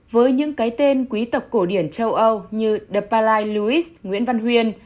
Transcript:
với những cái tên quý tộc cổ điển châu âu như the palais louis nguyễn văn huyền